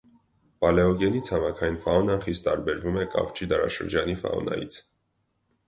Պալեոգենի ցամաքային ֆաունան խիստ տարբերվում է կավճի դարաշրջանի ֆաունայից։